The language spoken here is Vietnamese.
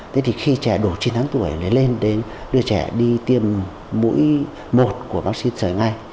thế thì khi trẻ đổ chín tháng tuổi lấy lên để đưa trẻ đi tiêm mũi một của mắc xin sởi ngay